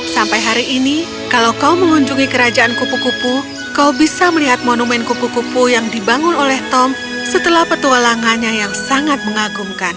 sampai hari ini kalau kau mengunjungi kerajaan kupu kupu kau bisa melihat monumen kupu kupu yang dibangun oleh tom setelah petualangannya yang sangat mengagumkan